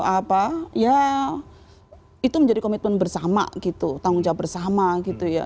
apa ya itu menjadi komitmen bersama gitu tanggung jawab bersama gitu ya